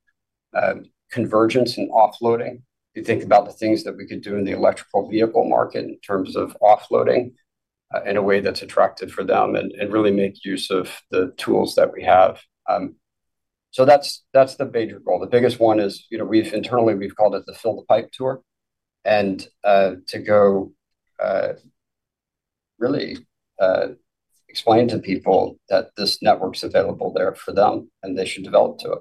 convergence and offloading, you think about the things that we could do in the electric vehicle market in terms of offloading in a way that's attractive for them and really make use of the tools that we have. So that's the major goal. The biggest one is, you know, we've internally called it the fill the pipe tour, and to go really explain to people that this network's available there for them, and they should develop to it.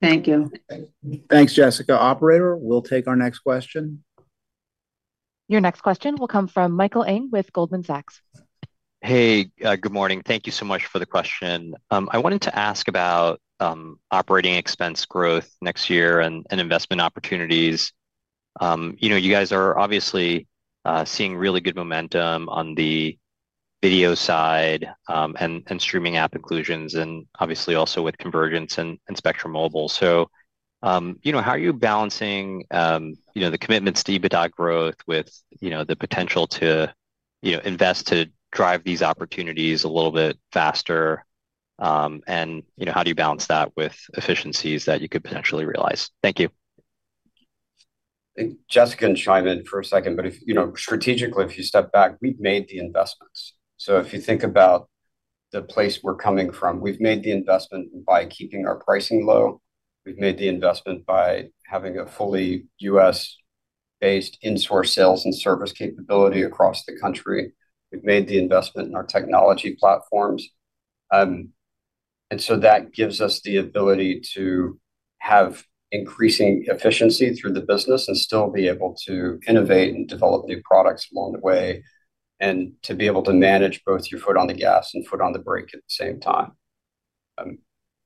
Thank you. Thank you. Thanks, Jessica. Operator, we'll take our next question. Your next question will come from Michael Ng with Goldman Sachs. Hey, good morning. Thank you so much for the question. I wanted to ask about operating expense growth next year and investment opportunities. You know, you guys are obviously seeing really good momentum on the video side, and streaming app inclusions, and obviously also with convergence and Spectrum Mobile. So, you know, how are you balancing you know, the commitments to EBITDA growth with you know, the potential to you know, invest to drive these opportunities a little bit faster? And, you know, how do you balance that with efficiencies that you could potentially realize? Thank you. I think Jessica can chime in for a second, but if, you know, strategically, if you step back, we've made the investments. So if you think about the place we're coming from, we've made the investment by keeping our pricing low. We've made the investment by having a fully U.S.-based in-source sales and service capability across the country. We've made the investment in our technology platforms. And so that gives us the ability to have increasing efficiency through the business and still be able to innovate and develop new products along the way, and to be able to manage both your foot on the gas and foot on the brake at the same time.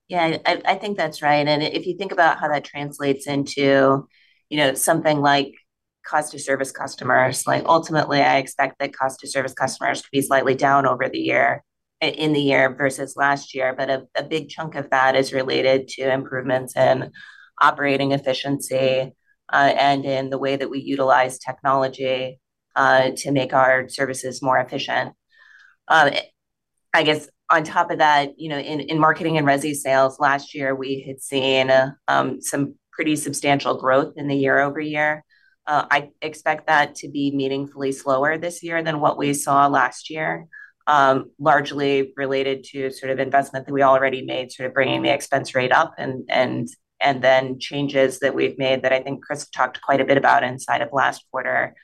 Yeah, I think that's right. And if you think about how that translates into, you know, something like cost to service customers, like, ultimately, I expect that cost to service customers to be slightly down over the year, in the year versus last year. But a big chunk of that is related to improvements in operating efficiency, and in the way that we utilize technology to make our services more efficient. I guess on top of that, you know, in marketing and resi sales, last year, we had seen some pretty substantial growth in the year-over-year. I expect that to be meaningfully slower this year than what we saw last year, largely related to sort of investment that we already made, sort of bringing the expense rate up and then changes that we've made that I think Chris talked quite a bit about inside of last quarter,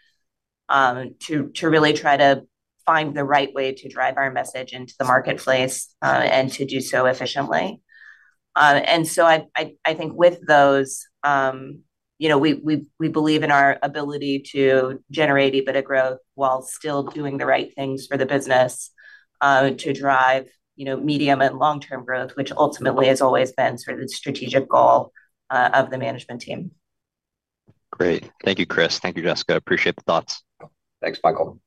to really try to find the right way to drive our message into the marketplace, and to do so efficiently. And so I think with those, you know, we believe in our ability to generate a bit of growth while still doing the right things for the business, to drive, you know, medium and long-term growth, which ultimately has always been sort of the strategic goal of the management team. Great. Thank you, Chris. Thank you, Jessica. Appreciate the thoughts. Thanks, Michael.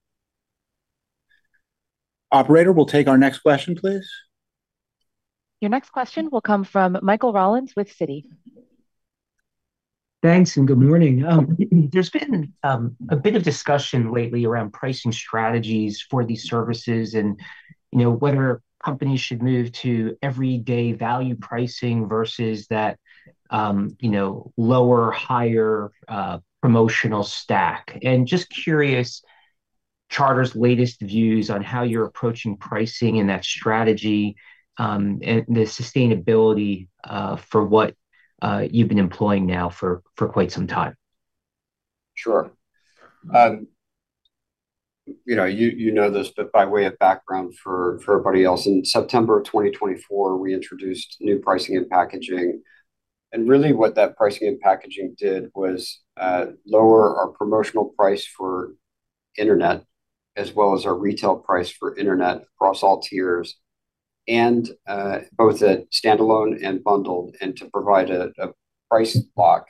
Operator, we'll take our next question, please. Your next question will come from Michael Rollins with Citi. Thanks, and good morning. There's been a bit of discussion lately around pricing strategies for these services and, you know, whether companies should move to everyday value pricing versus that, you know, lower, higher promotional stack. Just curious, Charter's latest views on how you're approaching pricing and that strategy, and the sustainability for what you've been employing now for quite some time. Sure. You know this, but by way of background for everybody else, in September of 2024, we introduced new pricing and packaging. And really, what that pricing and packaging did was lower our promotional price for internet, as well as our retail price for internet across all tiers, and both at standalone and bundled, and to provide a price lock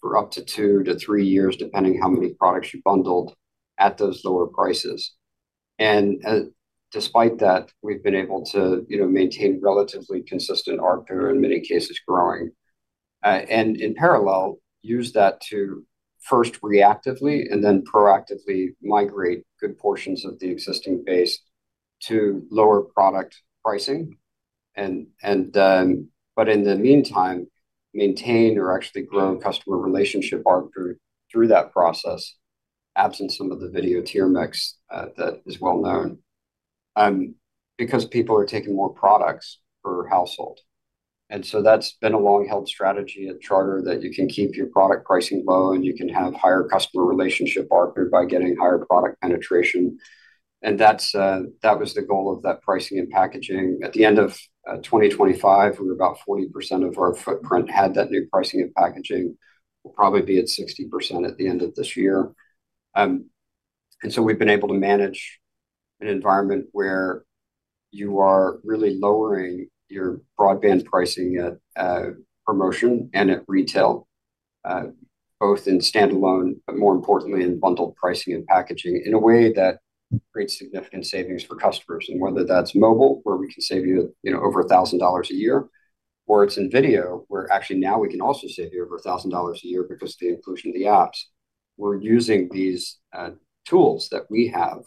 for up to 2-3 years, depending how many products you bundled at those lower prices. And despite that, we've been able to, you know, maintain relatively consistent ARPU, in many cases growing, and in parallel, use that to first reactively and then proactively migrate good portions of the existing base to lower product pricing. But in the meantime, maintain or actually grow customer relationship ARPU through that process, absent some of the video tier mix, that is well known, because people are taking more products per household. And so that's been a long-held strategy at Charter, that you can keep your product pricing low, and you can have higher customer relationship ARPU by getting higher product penetration. And that was the goal of that pricing and packaging. At the end of 2025, where about 40% of our footprint had that new pricing and packaging, we'll probably be at 60% at the end of this year. And so we've been able to manage an environment where you are really lowering your broadband pricing at promotion and at retail, both in standalone, but more importantly, in bundled pricing and packaging, in a way that creates significant savings for customers. And whether that's mobile, where we can save you, you know, over $1,000 a year, or it's in video, where actually now we can also save you over $1,000 a year because of the inclusion of the apps. We're using these tools that we have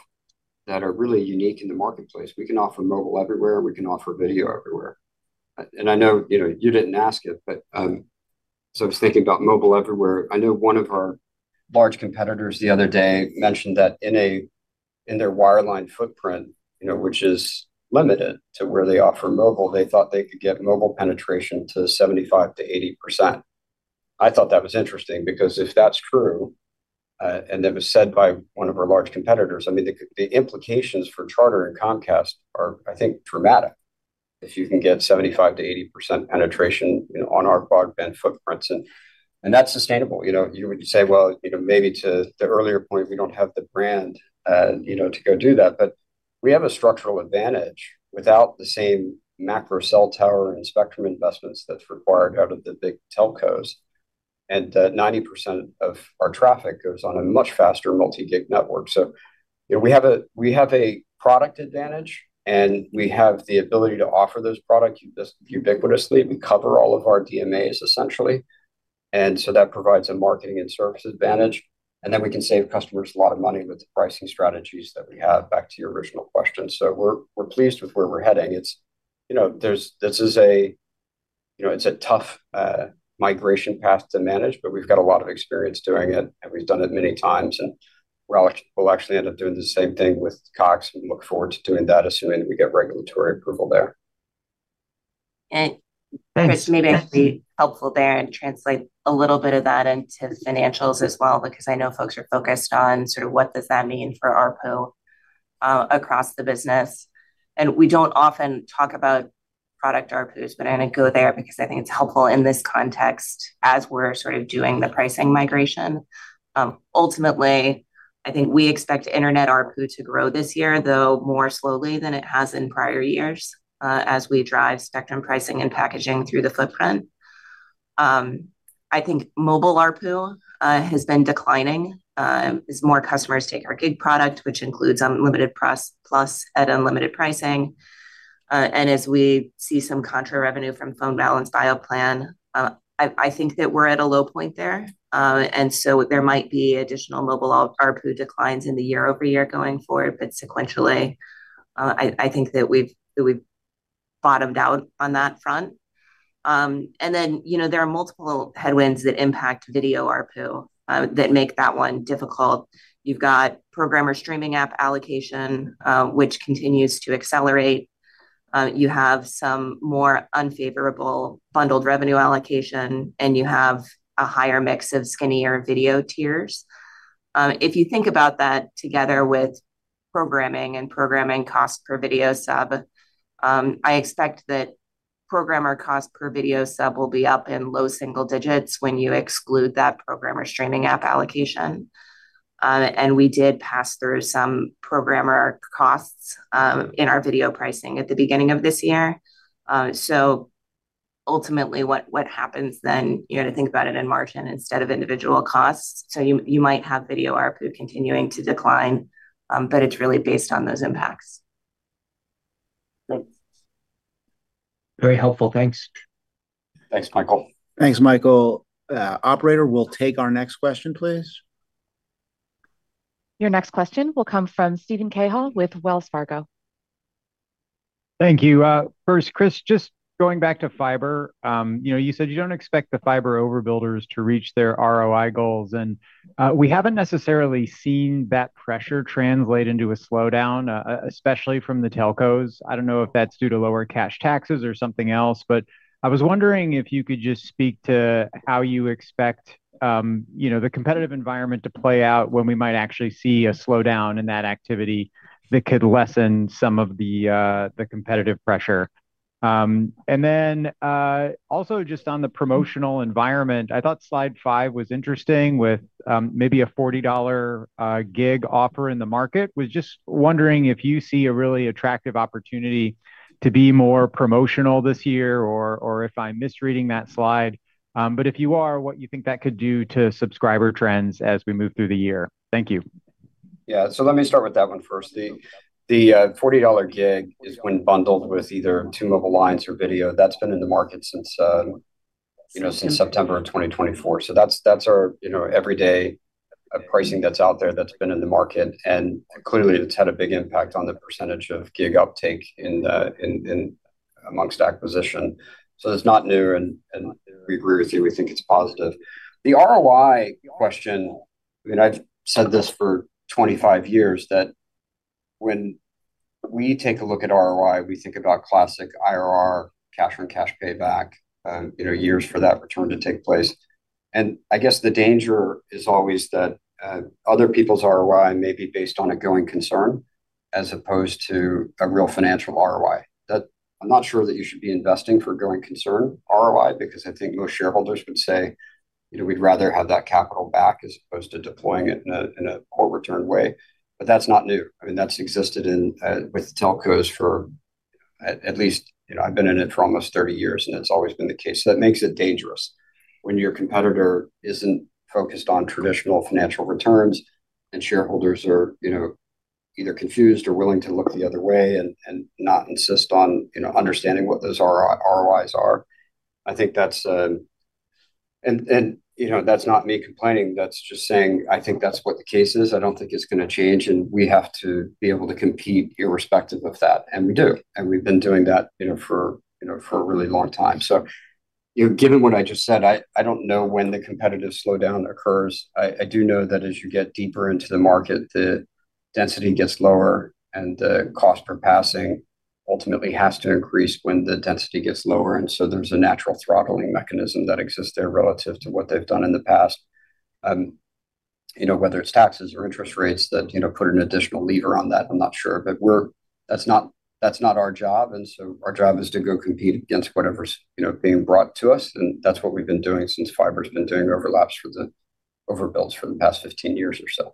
that are really unique in the marketplace. We can offer mobile everywhere, we can offer video everywhere. And I know, you know, you didn't ask it, but so I was thinking about mobile everywhere. I know one of our large competitors the other day mentioned that in their wireline footprint, you know, which is limited to where they offer mobile, they thought they could get mobile penetration to 75%-80%. I thought that was interesting, because if that's true, and it was said by one of our large competitors, I mean, the implications for Charter and Comcast are, I think, dramatic, if you can get 75%-80% penetration, you know, on our broadband footprints. And that's sustainable. You know, you would say, well, you know, maybe to the earlier point, we don't have the brand, you know, to go do that, but... We have a structural advantage without the same macro cell tower and spectrum investments that's required out of the big telcos, and that 90% of our traffic goes on a much faster multi-gig network. So, you know, we have a, we have a product advantage, and we have the ability to offer those products ubiquitously. We cover all of our DMAs, essentially, and so that provides a marketing and service advantage. And then we can save customers a lot of money with the pricing strategies that we have, back to your original question. So we're, we're pleased with where we're heading. It's, you know, there's this is a, you know, it's a tough migration path to manage, but we've got a lot of experience doing it, and we've done it many times. And we'll actually end up doing the same thing with Cox. We look forward to doing that, assuming we get regulatory approval there. Chris, maybe I can be helpful there and translate a little bit of that into financials as well, because I know folks are focused on sort of what does that mean for ARPU across the business. We don't often talk about product ARPUs, but I'm going to go there because I think it's helpful in this context as we're sort of doing the pricing migration. Ultimately, I think we expect Internet ARPU to grow this year, though more slowly than it has in prior years, as we drive Spectrum pricing and packaging through the footprint. I think Mobile ARPU has been declining, as more customers take our Gig product, which includes Unlimited Premium Plus at unlimited pricing. And as we see some contra revenue from phone balance dial plan, I think that we're at a low point there. And so there might be additional mobile ARPU declines in the year-over-year going forward, but sequentially, I think that we've bottomed out on that front. And then, you know, there are multiple headwinds that impact video ARPU that make that one difficult. You've got programmer streaming app allocation, which continues to accelerate. You have some more unfavorable bundled revenue allocation, and you have a higher mix of skinnier video tiers. If you think about that together with programming and programming cost per video sub, I expect that programmer cost per video sub will be up in low single digits when you exclude that programmer streaming app allocation. And we did pass through some programmer costs in our video pricing at the beginning of this year. So ultimately, what happens then, you have to think about it in margin instead of individual costs. So you might have video ARPU continuing to decline, but it's really based on those impacts. Very helpful. Thanks. Thanks, Michael. Thanks, Michael. Operator, we'll take our next question, please. Your next question will come from Steven Cahall with Wells Fargo. Thank you. First, Chris, just going back to fiber, you know, you said you don't expect the fiber overbuilders to reach their ROI goals, and we haven't necessarily seen that pressure translate into a slowdown, especially from the telcos. I don't know if that's due to lower cash taxes or something else, but I was wondering if you could just speak to how you expect, you know, the competitive environment to play out when we might actually see a slowdown in that activity that could lessen some of the, the competitive pressure. And then, also just on the promotional environment, I thought Slide 5 was interesting, with maybe a $40 gig offer in the market. Was just wondering if you see a really attractive opportunity to be more promotional this year or, or if I'm misreading that slide. But if you are, what you think that could do to subscriber trends as we move through the year? Thank you. Yeah. So let me start with that one first. The $40 gig is when bundled with either two mobile lines or video. That's been in the market since, you know, since September of 2024. So that's our, you know, everyday pricing that's out there, that's been in the market. And clearly, it's had a big impact on the percentage of gig uptake in the, in, in amongst acquisition. So it's not new, and we agree with you, we think it's positive. The ROI question, I mean, I've said this for 25 years, that when we take a look at ROI, we think about classic IRR, cash on cash payback, you know, years for that return to take place. And I guess the danger is always that, other people's ROI may be based on a going concern, as opposed to a real financial ROI. That I'm not sure that you should be investing for going concern ROI, because I think most shareholders would say, "You know, we'd rather have that capital back, as opposed to deploying it in a, in a poor return way." But that's not new. I mean, that's existed in, with telcos for at least... You know, I've been in it for almost 30 years, and it's always been the case. So that makes it dangerous when your competitor isn't focused on traditional financial returns, and shareholders are, you know, either confused or willing to look the other way and, and not insist on, you know, understanding what those ROIs are. I think that's... And, and, you know, that's not me complaining. That's just saying, I think that's what the case is. I don't think it's gonna change, and we have to be able to compete irrespective of that, and we do, and we've been doing that, you know, for, you know, for a really long time. So, you know, given what I just said, I, I don't know when the competitive slowdown occurs. I, I do know that as you get deeper into the market, the density gets lower, and the cost per passing ultimately has to increase when the density gets lower. And so there's a natural throttling mechanism that exists there relative to what they've done in the past. You know, whether it's taxes or interest rates that, you know, put an additional lever on that, I'm not sure. But that's not our job, and so our job is to go compete against whatever's, you know, being brought to us, and that's what we've been doing since fiber's been doing overbuilds for the past 15 years or so.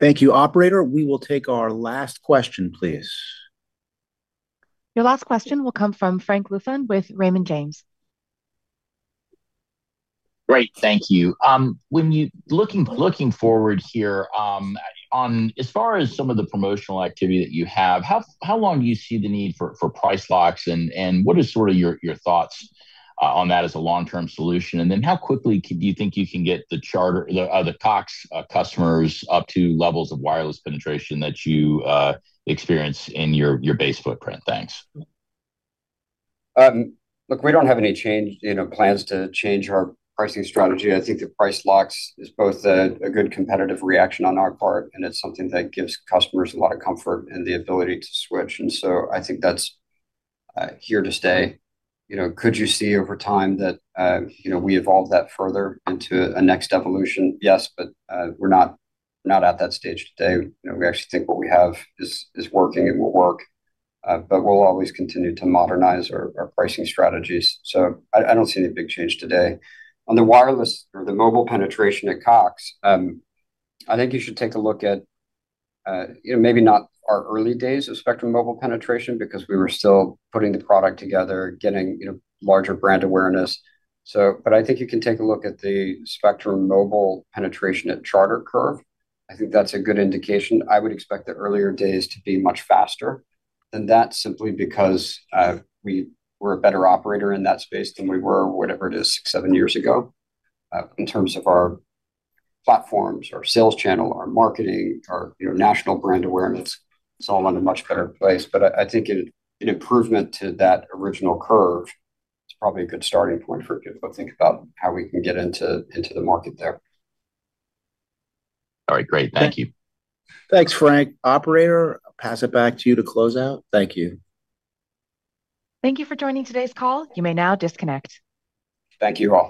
Thank you, operator. We will take our last question, please. Your last question will come from Frank Louthan with Raymond James. Great. Thank you. When looking forward here, as far as some of the promotional activity that you have, how long do you see the need for price locks? And what is sort of your thoughts on that as a long-term solution? And then how quickly do you think you can get the Charter, the Cox customers up to levels of wireless penetration that you experience in your base footprint? Thanks. Look, we don't have any change, you know, plans to change our pricing strategy. I think the price locks is both a good competitive reaction on our part, and it's something that gives customers a lot of comfort and the ability to switch. And so I think that's here to stay. You know, could you see over time that, you know, we evolve that further into a next evolution? Yes, but we're not at that stage today. You know, we actually think what we have is working and will work, but we'll always continue to modernize our pricing strategies. So I don't see any big change today. On the wireless or the mobile penetration at Cox, I think you should take a look at, you know, maybe not our early days of Spectrum Mobile penetration, because we were still putting the product together, getting, you know, larger brand awareness. So, but I think you can take a look at the Spectrum Mobile penetration at Charter curve. I think that's a good indication. I would expect the earlier days to be much faster than that, simply because, we were a better operator in that space than we were, whatever it is, 6, 7 years ago. In terms of our platforms, our sales channel, our marketing, our, you know, national brand awareness, it's all in a much better place. But I think an improvement to that original curve. It's probably a good starting point for people to think about how we can get into the market there. All right, great. Thank you. Thanks, Frank. Operator, I'll pass it back to you to close out. Thank you. Thank you for joining today's call. You may now disconnect. Thank you all.